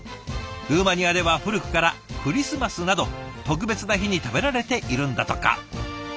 ルーマニアでは古くからクリスマスなど特別な日に食べられているんだとか。